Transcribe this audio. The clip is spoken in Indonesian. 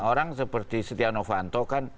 orang seperti setia novanto kan